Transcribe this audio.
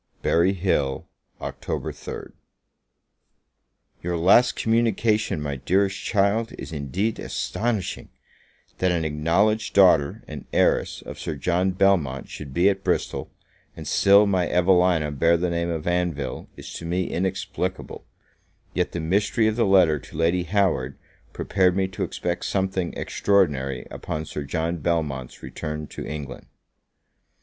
Berry Hill, Oct. 3rd. YOUR last communication, my dearest child, is indeed astonishing; that an acknowledged daughter and heiress of Sir John Belmont should be at Bristol, and still my Evelina bear the name of Anville, is to me inexplicable; yet the mystery of the letter to Lady Howard prepared me to expect something extraordinary upon Sir John Belmont's return to England.